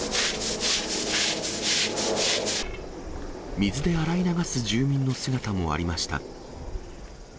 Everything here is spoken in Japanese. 水で洗い流す住民の姿もありました。